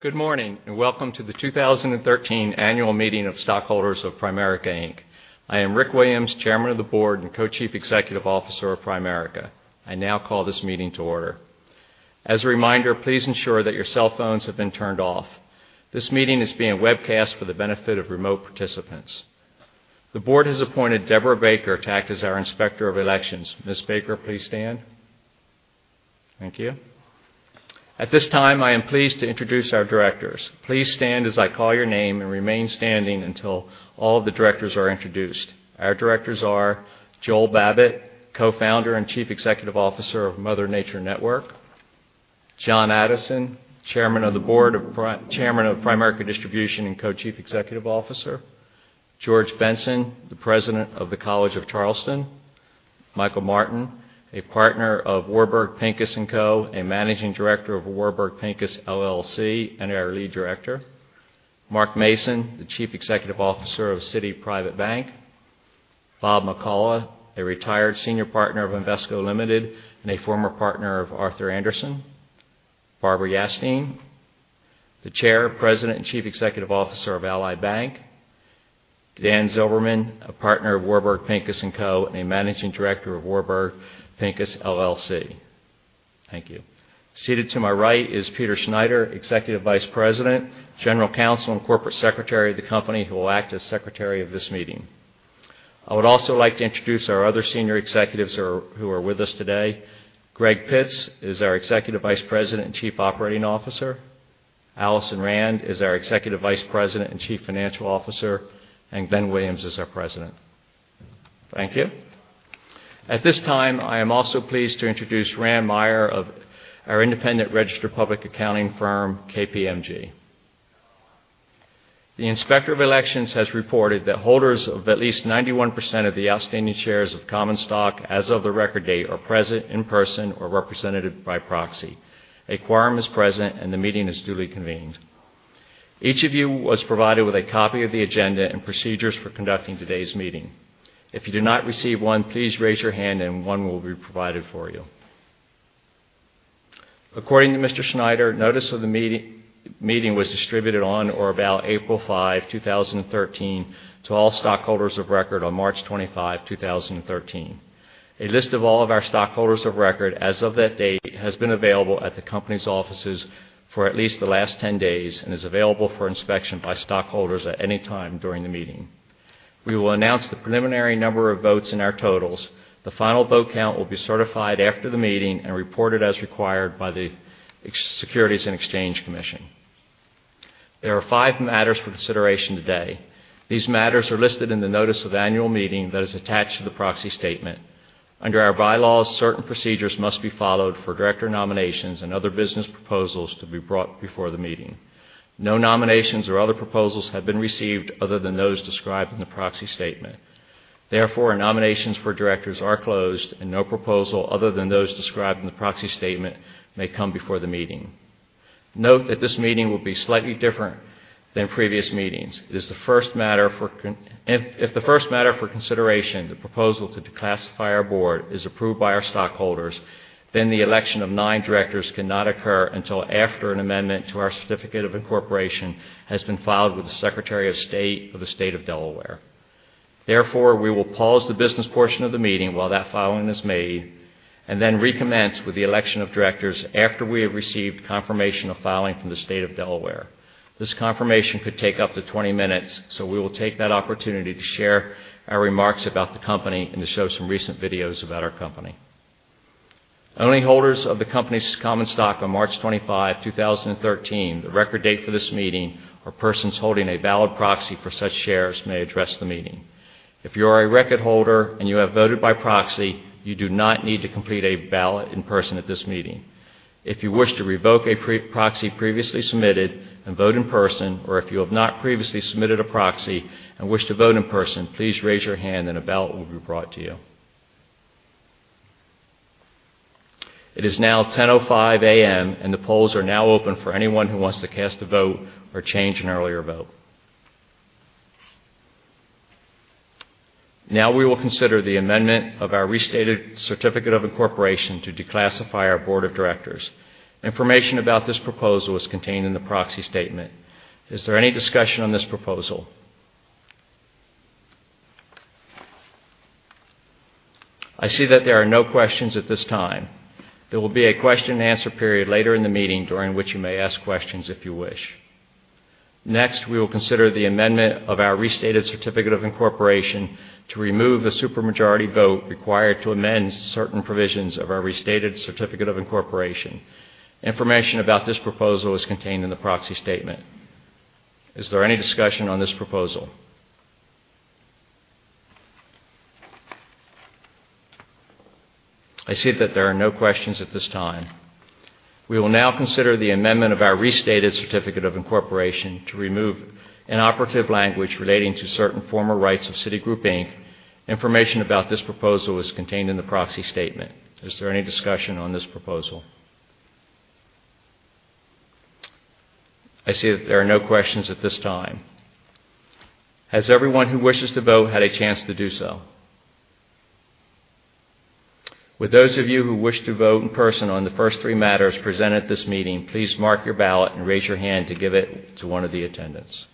Good morning, and welcome to the 2013 Annual Meeting of Stockholders of Primerica, Inc. I am Rick Williams, Chairman of the Board and Co-Chief Executive Officer of Primerica. I now call this meeting to order. As a reminder, please ensure that your cell phones have been turned off. This meeting is being webcast for the benefit of remote participants. The Board has appointed Deborah Baker to act as our Inspector of Elections. Ms. Baker, please stand. Thank you. At this time, I am pleased to introduce our Directors. Please stand as I call your name and remain standing until all the Directors are introduced. Our Directors are Joel Babbit, Co-Founder and Chief Executive Officer of Mother Nature Network. John Addison, Chairman of the Board of Primerica Distribution and Co-Chief Executive Officer. George Benson, the President of the College of Charleston. Michael Martin, a Partner of Warburg Pincus & Co., a Managing Director of Warburg Pincus LLC, and our Lead Director. Mark Mason, the Chief Executive Officer of Citi Private Bank. Bob McCullough, a retired Senior Partner of Invesco Limited and a former Partner of Arthur Andersen. Barbara Yastine, the Chair, President, and Chief Executive Officer of Ally Bank. Dan Zilberman, a Partner of Warburg Pincus & Co. and a Managing Director of Warburg Pincus LLC. Thank you. Seated to my right is Peter Schneider, Executive Vice President, General Counsel, and Corporate Secretary of the company, who will act as secretary of this meeting. I would also like to introduce our other senior executives who are with us today. Greg Pitts is our Executive Vice President and Chief Operating Officer. Alison Rand is our Executive Vice President and Chief Financial Officer, and Glenn Williams is our President. Thank you. At this time, I am also pleased to introduce Rand Meyer of our independent registered public accounting firm, KPMG. The Inspector of Elections has reported that holders of at least 91% of the outstanding shares of common stock as of the record date are present in person or represented by proxy. A quorum is present, and the meeting is duly convened. Each of you was provided with a copy of the agenda and procedures for conducting today's meeting. If you did not receive one, please raise your hand and one will be provided for you. According to Mr. Schneider, notice of the meeting was distributed on or about April 5, 2013, to all stockholders of record on March 25, 2013. A list of all of our stockholders of record as of that date has been available at the company's offices for at least the last 10 days and is available for inspection by stockholders at any time during the meeting. We will announce the preliminary number of votes in our totals. The final vote count will be certified after the meeting and reported as required by the Securities and Exchange Commission. There are five matters for consideration today. These matters are listed in the notice of annual meeting that is attached to the proxy statement. Under our bylaws, certain procedures must be followed for Director nominations and other business proposals to be brought before the meeting. No nominations or other proposals have been received other than those described in the proxy statement. Nominations for directors are closed, and no proposal other than those described in the proxy statement may come before the meeting. Note that this meeting will be slightly different than previous meetings. If the first matter for consideration, the proposal to declassify our board, is approved by our stockholders, the election of nine directors cannot occur until after an amendment to our certificate of incorporation has been filed with the Secretary of State for the State of Delaware. We will pause the business portion of the meeting while that filing is made and then recommence with the election of directors after we have received confirmation of filing from the State of Delaware. This confirmation could take up to 20 minutes, we will take that opportunity to share our remarks about the company and to show some recent videos about our company. Only holders of the company's common stock on March 25, 2013, the record date for this meeting, or persons holding a valid proxy for such shares, may address the meeting. If you are a record holder and you have voted by proxy, you do not need to complete a ballot in person at this meeting. If you wish to revoke a proxy previously submitted and vote in person, or if you have not previously submitted a proxy and wish to vote in person, please raise your hand and a ballot will be brought to you. It is now 10:05 A.M., the polls are now open for anyone who wants to cast a vote or change an earlier vote. Now we will consider the amendment of our restated certificate of incorporation to declassify our board of directors. Information about this proposal is contained in the proxy statement. Is there any discussion on this proposal? I see that there are no questions at this time. There will be a question and answer period later in the meeting during which you may ask questions if you wish. Next, we will consider the amendment of our restated certificate of incorporation to remove the supermajority vote required to amend certain provisions of our restated certificate of incorporation. Information about this proposal is contained in the proxy statement. Is there any discussion on this proposal? I see that there are no questions at this time. We will now consider the amendment of our restated certificate of incorporation to remove inoperative language relating to certain former rights of Citigroup Inc. Information about this proposal is contained in the proxy statement. Is there any discussion on this proposal? I see that there are no questions at this time. Has everyone who wishes to vote had a chance to do so? With those of you who wish to vote in person on the first three matters presented at this meeting, please mark your ballot and raise your hand to give it to one of the attendants.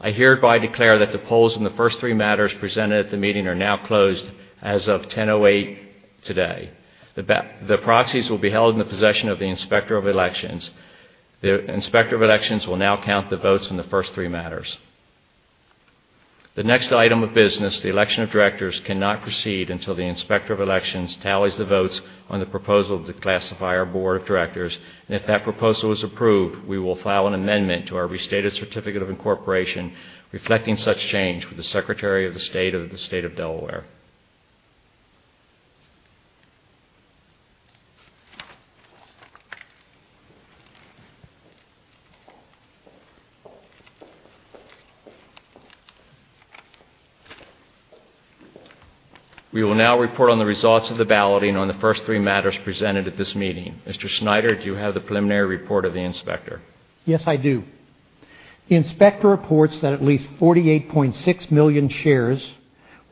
I hereby declare that the polls in the first three matters presented at the meeting are now closed as of 10:08 A.M. today. The proxies will be held in the possession of the Inspector of Elections. The Inspector of Elections will now count the votes in the first three matters. The next item of business, the election of directors, cannot proceed until the Inspector of Elections tallies the votes on the proposal to declassify our board of directors. If that proposal is approved, we will file an amendment to our restated certificate of incorporation reflecting such change with the Secretary of the State of the State of Delaware. We will now report on the results of the balloting on the first three matters presented at this meeting. Mr. Schneider, do you have the preliminary report of the inspector? Yes, I do. The inspector reports that at least 48.6 million shares,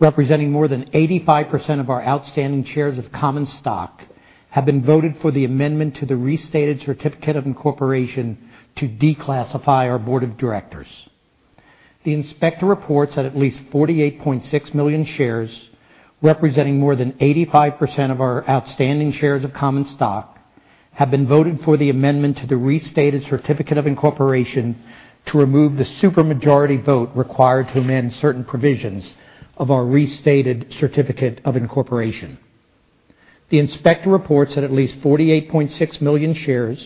representing more than 85% of our outstanding shares of common stock, have been voted for the amendment to the restated certificate of incorporation to declassify our board of directors. The inspector reports that at least 48.6 million shares, representing more than 85% of our outstanding shares of common stock, have been voted for the amendment to the restated certificate of incorporation to remove the super majority vote required to amend certain provisions of our restated certificate of incorporation. The inspector reports that at least 48.6 million shares,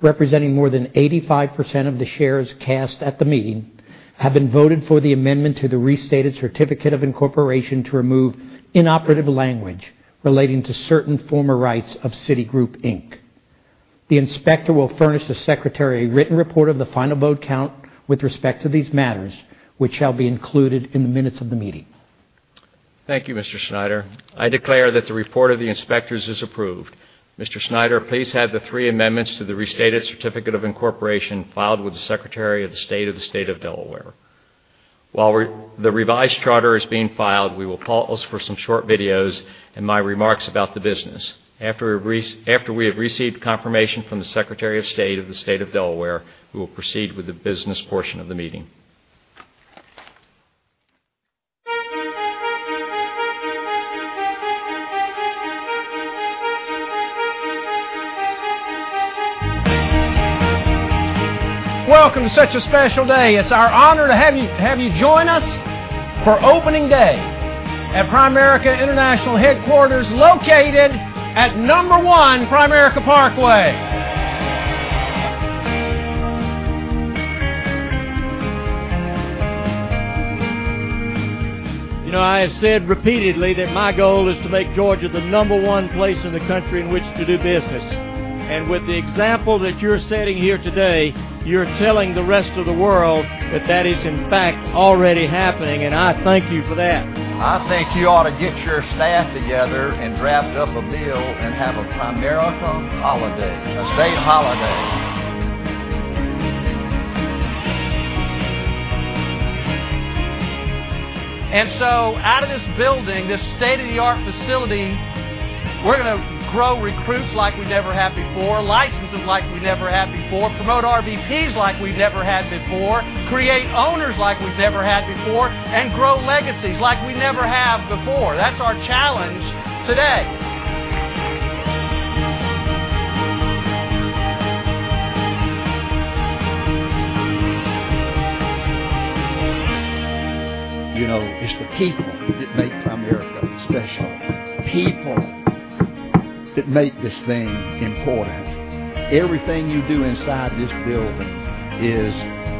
representing more than 85% of the shares cast at the meeting, have been voted for the amendment to the restated certificate of incorporation to remove inoperative language relating to certain former rights of Citigroup Inc. The inspector will furnish the secretary a written report of the final vote count with respect to these matters, which shall be included in the minutes of the meeting. Thank you, Mr. Schneider. I declare that the report of the inspectors is approved. Mr. Schneider, please have the three amendments to the restated certificate of incorporation filed with the Secretary of the State of the State of Delaware. While the revised charter is being filed, we will pause for some short videos and my remarks about the business. After we have received confirmation from the Secretary of State of the State of Delaware, we will proceed with the business portion of the meeting. Welcome to such a special day. It's our honor to have you join us for opening day at Primerica International Headquarters, located at number one Primerica Parkway. You know, I have said repeatedly that my goal is to make Georgia the number one place in the country in which to do business. With the example that you're setting here today, you're telling the rest of the world that that is in fact already happening, and I thank you for that. I think you ought to get your staff together and draft up a bill and have a Primerica holiday, a state holiday. Out of this building, this state-of-the-art facility, we're going to grow recruits like we never have before, licenses like we never have before, promote RVPs like we've never had before, create owners like we've never had before, and grow legacies like we never have before. That's our challenge today. It's the people that make Primerica special. People that make this thing important. Everything you do inside this building is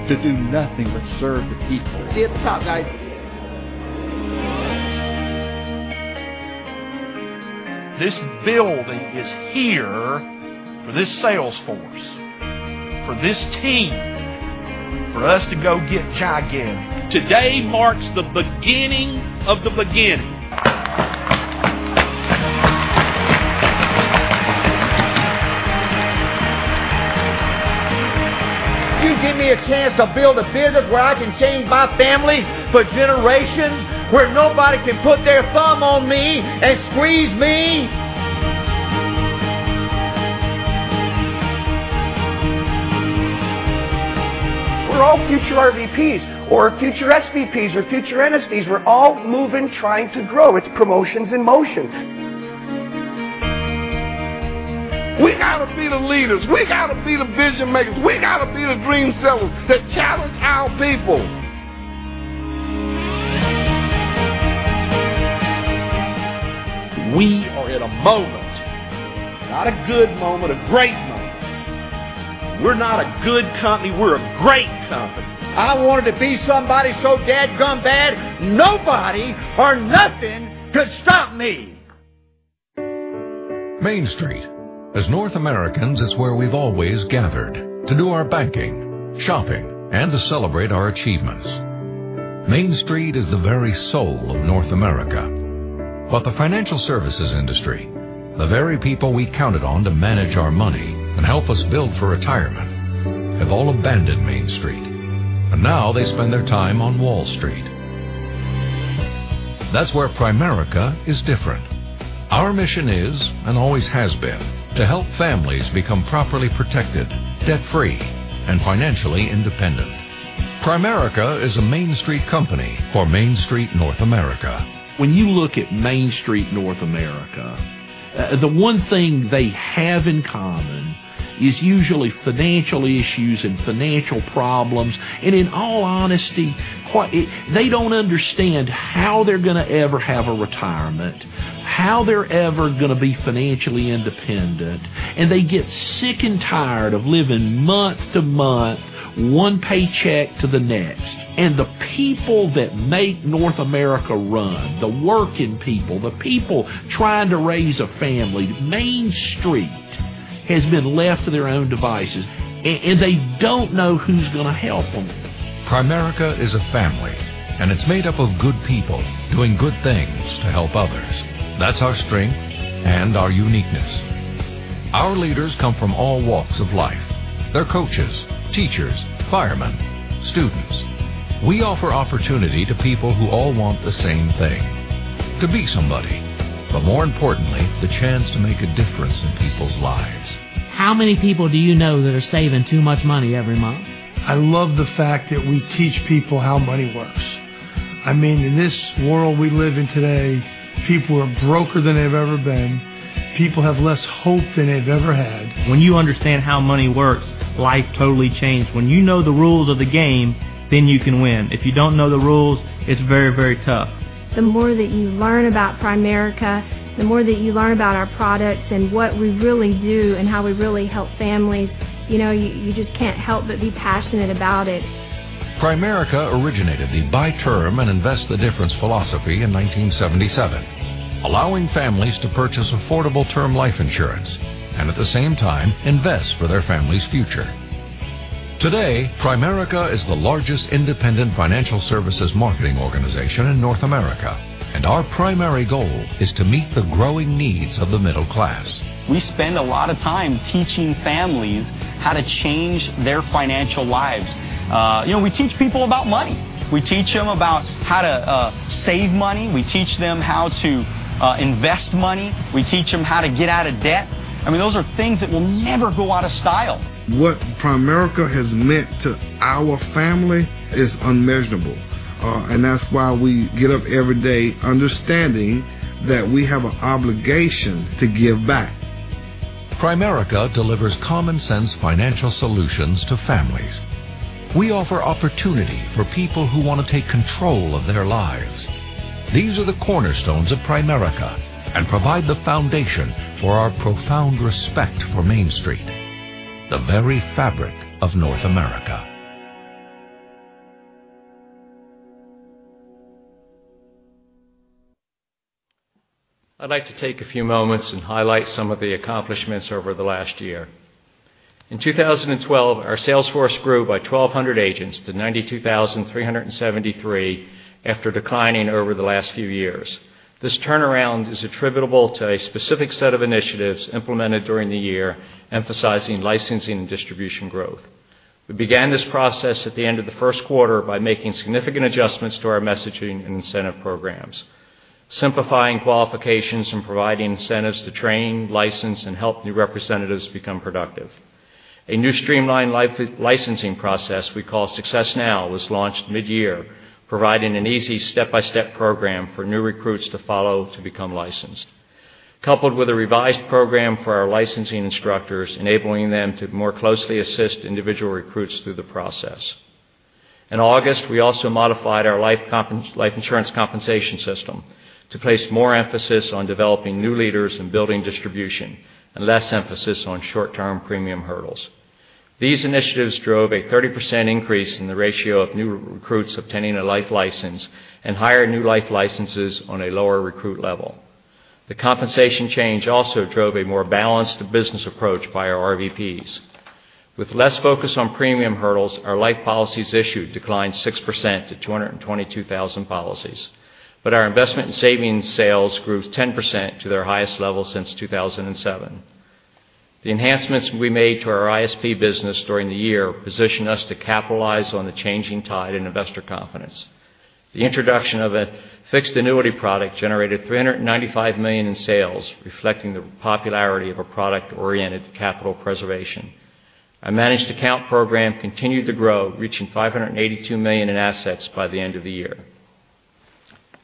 to do nothing but serve the people. See you at the top, guys. This building is here for this sales force, for this team, for us to go get gigantic. Today marks the beginning of the beginning. You give me a chance to build a business where I can change my family for generations, where nobody can put their thumb on me and squeeze me? We're all future RVPs or future SVPs or future NSDs. We're all moving, trying to grow. It's promotions in motion. We got to be the leaders. We got to be the vision makers. We got to be the dream sellers that challenge our people. We are at a moment, not a good moment, a great moment. We're not a good company, we're a great company. I wanted to be somebody so dadgum bad, nobody or nothing could stop me. Main Street. As North Americans, it's where we've always gathered to do our banking, shopping, and to celebrate our achievements. Main Street is the very soul of North America. The financial services industry, the very people we counted on to manage our money and help us build for retirement, have all abandoned Main Street, and now they spend their time on Wall Street. That's where Primerica is different. Our mission is, and always has been, to help families become properly protected, debt-free, and financially independent. Primerica is a Main Street company for Main Street North America. When you look at Main Street North America, the one thing they have in common is usually financial issues and financial problems. In all honesty, they don't understand how they're going to ever have a retirement, how they're ever going to be financially independent, and they get sick and tired of living month to month, one paycheck to the next. The people that make North America run, the working people, the people trying to raise a family, Main Street, has been left to their own devices, and they don't know who's going to help them. Primerica is a family. It's made up of good people doing good things to help others. That's our strength and our uniqueness. Our leaders come from all walks of life. They're coaches, teachers, firemen, students. We offer opportunity to people who all want the same thing: to be somebody, but more importantly, the chance to make a difference in people's lives. How many people do you know that are saving too much money every month? I love the fact that we teach people how money works. In this world we live in today, people are broker than they've ever been. People have less hope than they've ever had. When you understand how money works, life totally changes. When you know the rules of the game, you can win. If you don't know the rules, it's very tough. The more that you learn about Primerica, the more that you learn about our products and what we really do and how we really help families, you just can't help but be passionate about it. Primerica originated the buy term and invest the difference philosophy in 1977, allowing families to purchase affordable term life insurance and, at the same time, invest for their family's future. Our primary goal is to meet the growing needs of the middle class. We spend a lot of time teaching families how to change their financial lives. We teach people about money. We teach them about how to save money. We teach them how to invest money. We teach them how to get out of debt. Those are things that will never go out of style. What Primerica has meant to our family is unmeasurable. That's why we get up every day understanding that we have an obligation to give back. Primerica delivers common sense financial solutions to families. We offer opportunity for people who want to take control of their lives. These are the cornerstones of Primerica and provide the foundation for our profound respect for Main Street, the very fabric of North America. I'd like to take a few moments and highlight some of the accomplishments over the last year. In 2012, our sales force grew by 1,200 agents to 92,373 after declining over the last few years. This turnaround is attributable to a specific set of initiatives implemented during the year, emphasizing licensing and distribution growth. We began this process at the end of the first quarter by making significant adjustments to our messaging and incentive programs, simplifying qualifications, and providing incentives to train, license, and help new representatives become productive. A new streamlined licensing process we call Success Now was launched mid-year, providing an easy step-by-step program for new recruits to follow to become licensed. Coupled with a revised program for our licensing instructors, enabling them to more closely assist individual recruits through the process. In August, we also modified our life insurance compensation system to place more emphasis on developing new leaders and building distribution and less emphasis on short-term premium hurdles. These initiatives drove a 30% increase in the ratio of new recruits obtaining a life license and higher new life licenses on a lower recruit level. The compensation change also drove a more balanced business approach by our RVPs. With less focus on premium hurdles, our life policies issued declined 6% to 222,000 policies, but our investment in savings sales grew 10% to their highest level since 2007. The enhancements we made to our ISP business during the year position us to capitalize on the changing tide in investor confidence. The introduction of a fixed annuity product generated $395 million in sales, reflecting the popularity of a product oriented to capital preservation. Our managed account program continued to grow, reaching $582 million in assets by the end of the year.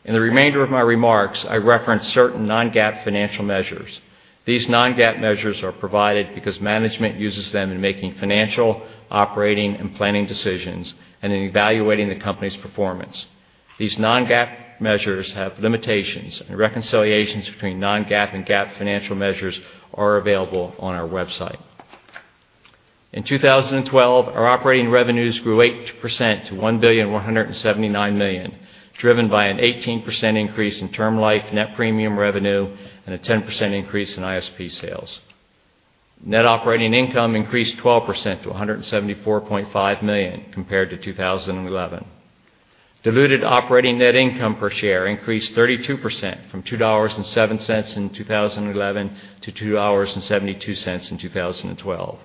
In the remainder of my remarks, I reference certain non-GAAP financial measures. These non-GAAP measures are provided because management uses them in making financial, operating, and planning decisions and in evaluating the company's performance. These non-GAAP measures have limitations, and reconciliations between non-GAAP and GAAP financial measures are available on our website. In 2012, our operating revenues grew 8% to $1,179,000,000, driven by an 18% increase in term life net premium revenue and a 10% increase in ISP sales. Net operating income increased 12% to $174.5 million compared to 2011. Diluted operating net income per share increased 32%, from $2.07 in 2011 to $2.72 in 2012.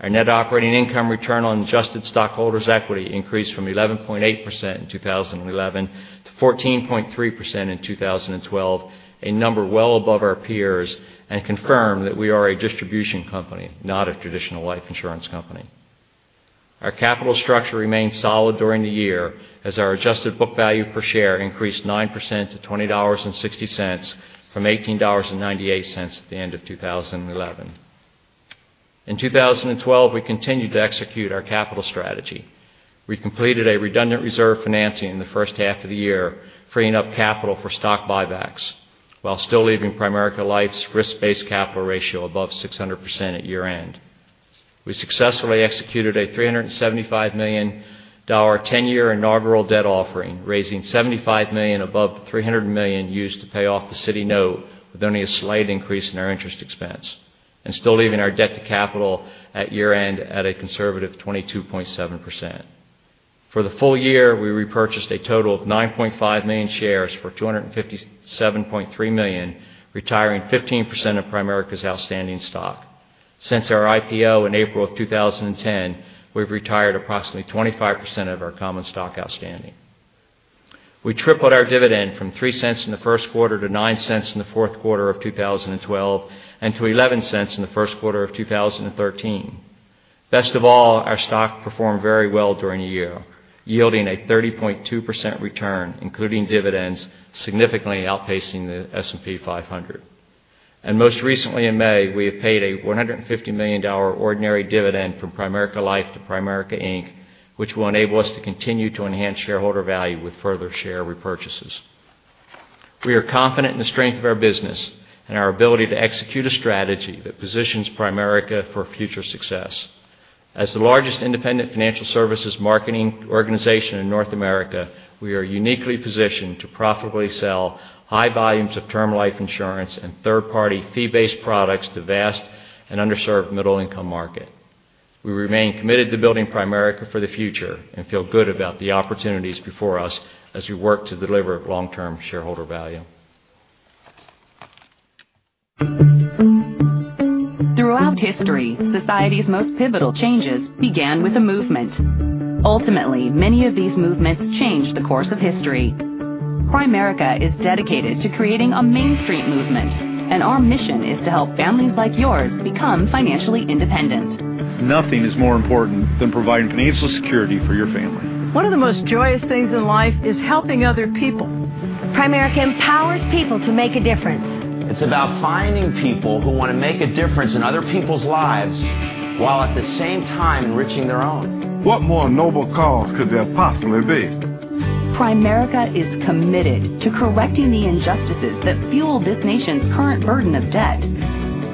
Our net operating income return on adjusted stockholders' equity increased from 11.8% in 2011 to 14.3% in 2012, a number well above our peers, confirm that we are a distribution company, not a traditional life insurance company. Our capital structure remained solid during the year as our adjusted book value per share increased 9% to $20.60 from $18.98 at the end of 2011. In 2012, we continued to execute our capital strategy. We completed a redundant reserve financing in the first half of the year, freeing up capital for stock buybacks while still leaving Primerica Life's risk-based capital ratio above 600% at year-end. We successfully executed a $375 million 10-year inaugural debt offering, raising $75 million above the $300 million used to pay off the Citi note, with only a slight increase in our interest expense, still leaving our debt to capital at year-end at a conservative 22.7%. For the full year, we repurchased a total of 9.5 million shares for $257.3 million, retiring 15% of Primerica's outstanding stock. Since our IPO in April of 2010, we've retired approximately 25% of our common stock outstanding. We tripled our dividend from $0.03 in the first quarter to $0.09 in the fourth quarter of 2012, to $0.11 in the first quarter of 2013. Best of all, our stock performed very well during the year, yielding a 30.2% return, including dividends, significantly outpacing the S&P 500. Most recently in May, we have paid a $150 million ordinary dividend from Primerica Life to Primerica, Inc., which will enable us to continue to enhance shareholder value with further share repurchases. We are confident in the strength of our business and our ability to execute a strategy that positions Primerica for future success. As the largest independent financial services marketing organization in North America, we are uniquely positioned to profitably sell high volumes of term life insurance and third-party fee-based products to vast and underserved middle-income market. We remain committed to building Primerica for the future and feel good about the opportunities before us as we work to deliver long-term shareholder value. Throughout history, society's most pivotal changes began with a movement. Ultimately, many of these movements changed the course of history. Primerica is dedicated to creating a Main Street Movement, Our mission is to help families like yours become financially independent. Nothing is more important than providing financial security for your family. One of the most joyous things in life is helping other people. Primerica empowers people to make a difference. It's about finding people who want to make a difference in other people's lives, while at the same time enriching their own. What more noble cause could there possibly be? Primerica is committed to correcting the injustices that fuel this nation's current burden of debt.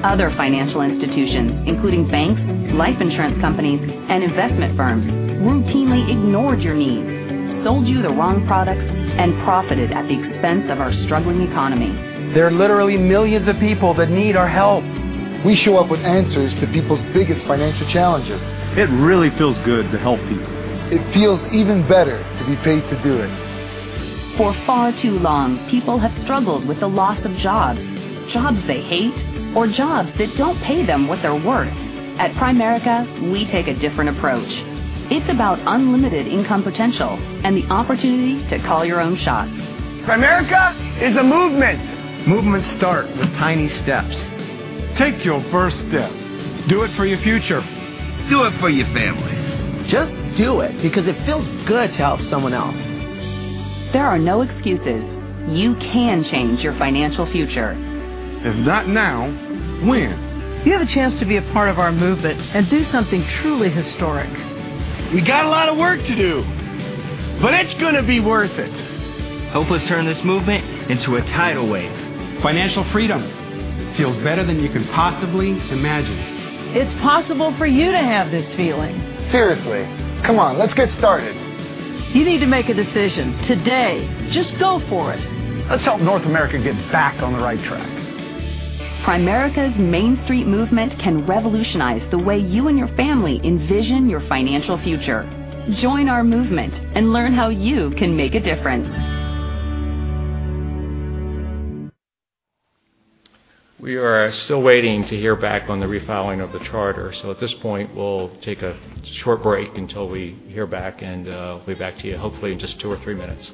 Other financial institutions, including banks, life insurance companies, and investment firms, routinely ignored your needs, sold you the wrong products, and profited at the expense of our struggling economy. There are literally millions of people that need our help. We show up with answers to people's biggest financial challenges. It really feels good to help people. It feels even better to be paid to do it. For far too long, people have struggled with the loss of jobs they hate, or jobs that don't pay them what they're worth. At Primerica, we take a different approach. It's about unlimited income potential and the opportunity to call your own shots. Primerica is a movement. Movements start with tiny steps. Take your first step. Do it for your future. Do it for your family. Just do it because it feels good to help someone else. There are no excuses. You can change your financial future. If not now, when? You have a chance to be a part of our Main Street Movement and do something truly historic. We got a lot of work to do, but it's going to be worth it. Help us turn this Main Street Movement into a tidal wave. Financial freedom feels better than you can possibly imagine. It's possible for you to have this feeling. Seriously. Come on, let's get started. You need to make a decision today. Just go for it. Let's help North America get back on the right track. Primerica's Main Street Movement can revolutionize the way you and your family envision your financial future. Join our movement and learn how you can make a difference. We are still waiting to hear back on the refiling of the charter. At this point, we'll take a short break until we hear back, and we'll be back to you hopefully in just two or three minutes.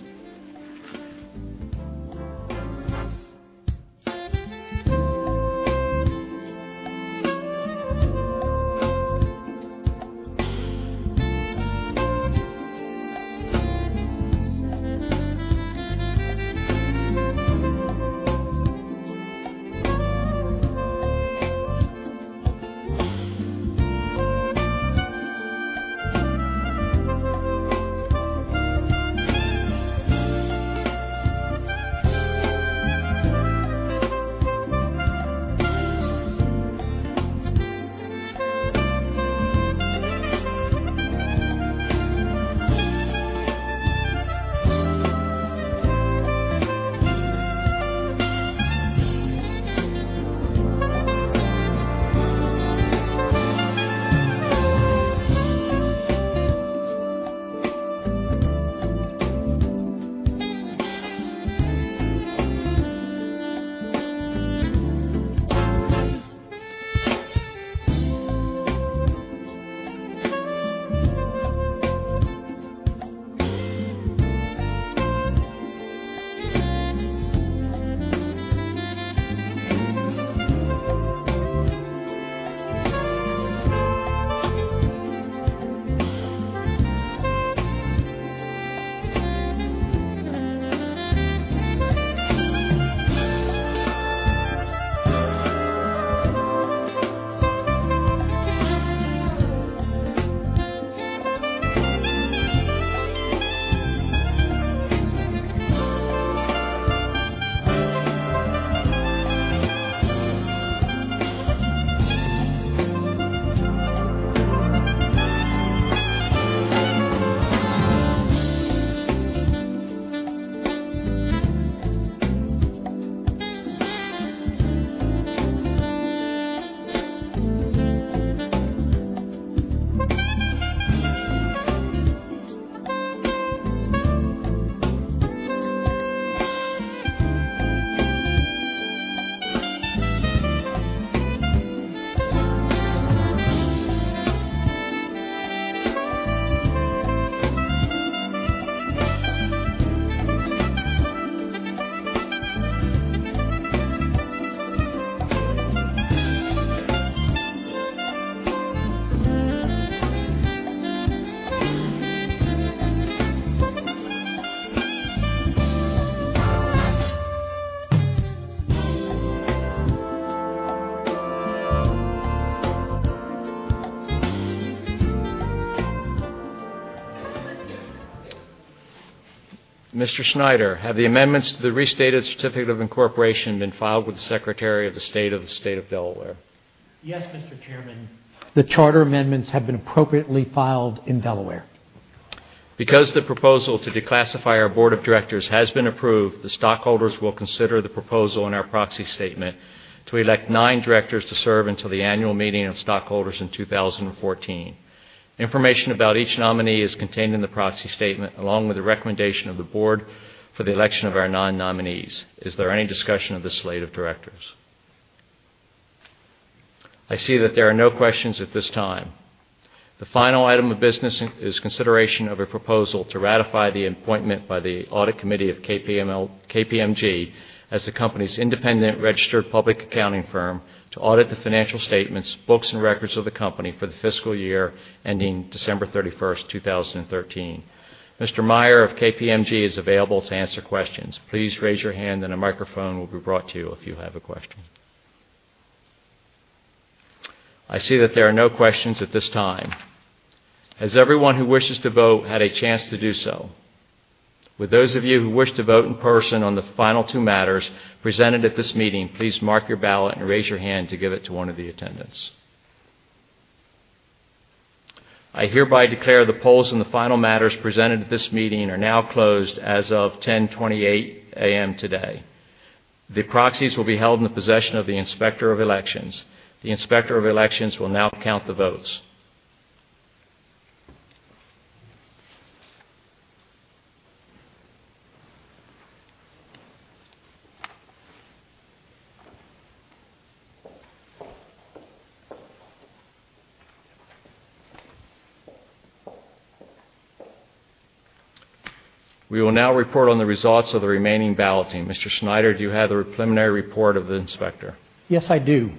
Mr. Schneider, have the amendments to the restated certificate of incorporation been filed with the Secretary of the State of the state of Delaware? Yes, Mr. Chairman. The charter amendments have been appropriately filed in Delaware. The proposal to declassify our board of directors has been approved, the stockholders will consider the proposal in our proxy statement to elect nine directors to serve until the annual meeting of stockholders in 2014. Information about each nominee is contained in the proxy statement, along with the recommendation of the board for the election of our nine nominees. Is there any discussion of the slate of directors? I see that there are no questions at this time. The final item of business is consideration of a proposal to ratify the appointment by the audit committee of KPMG as the company's independent registered public accounting firm to audit the financial statements, books, and records of the company for the fiscal year ending December 31st, 2013. Mr. Meyer of KPMG is available to answer questions. Please raise your hand and a microphone will be brought to you if you have a question. I see that there are no questions at this time. Has everyone who wishes to vote had a chance to do so? Would those of you who wish to vote in person on the final two matters presented at this meeting, please mark your ballot and raise your hand to give it to one of the attendants. I hereby declare the polls on the final matters presented at this meeting are now closed as of 10:28 A.M. today. The proxies will be held in the possession of the Inspector of Elections. The Inspector of Elections will now count the votes. We will now report on the results of the remaining balloting. Mr. Schneider, do you have the preliminary report of the inspector? Yes, I do.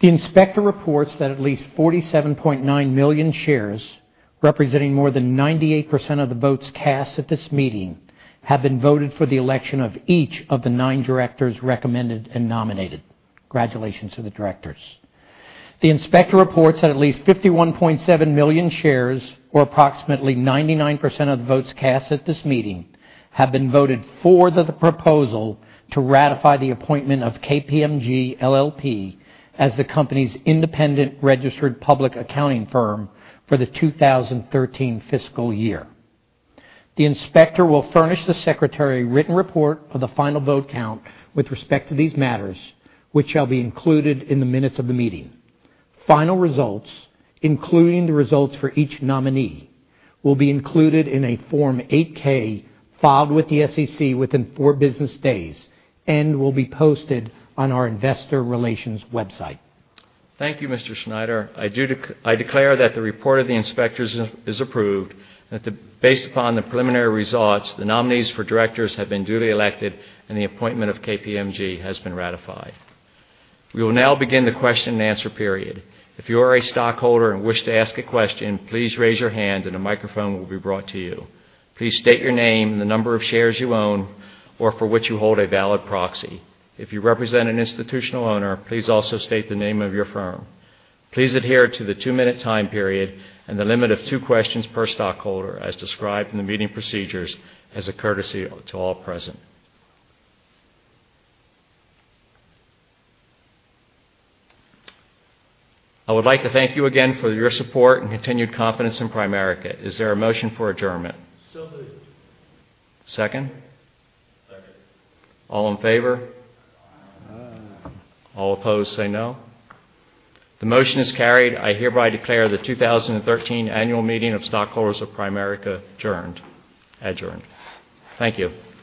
The inspector reports that at least 47.9 million shares, representing more than 98% of the votes cast at this meeting, have been voted for the election of each of the nine directors recommended and nominated. Congratulations to the directors. The inspector reports that at least 51.7 million shares, or approximately 99% of the votes cast at this meeting, have been voted for the proposal to ratify the appointment of KPMG LLP as the company's independent registered public accounting firm for the 2013 fiscal year. The inspector will furnish the secretary a written report of the final vote count with respect to these matters, which shall be included in the minutes of the meeting. Final results, including the results for each nominee, will be included in a Form 8-K filed with the SEC within four business days and will be posted on our investor relations website. Thank you, Mr. Schneider. I declare that the report of the inspectors is approved and that based upon the preliminary results, the nominees for directors have been duly elected and the appointment of KPMG has been ratified. We will now begin the question and answer period. If you are a stockholder and wish to ask a question, please raise your hand and a microphone will be brought to you. Please state your name and the number of shares you own or for which you hold a valid proxy. If you represent an institutional owner, please also state the name of your firm. Please adhere to the two-minute time period and the limit of two questions per stockholder as described in the meeting procedures as a courtesy to all present. I would like to thank you again for your support and continued confidence in Primerica. Is there a motion for adjournment? Moved. Second? Second. All in favor? Aye. All opposed, say no. The motion is carried. I hereby declare the 2013 annual meeting of stockholders of Primerica adjourned. Thank you